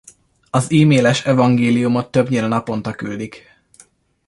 Az e-mailes evangéliumot többnyire naponta küldik.